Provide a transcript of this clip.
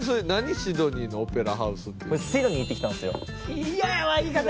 シドニーのオペラハウスっていうのは。